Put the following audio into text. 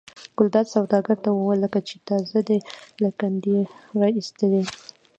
ګلداد سوداګر ته وویل لکه چې تازه دې له کندې را ایستلي.